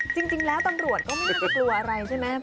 จริงแล้วตำรวจก็ไม่ได้กลัวอะไรใช่ไหม